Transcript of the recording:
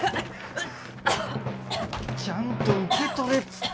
ちゃんと受け取れっつったろ？